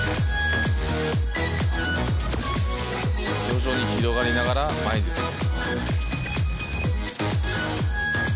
徐々に広がりながら前に出る。